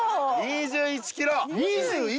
２１キロ？